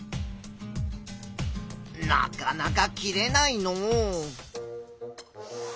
なかなか切れないのう。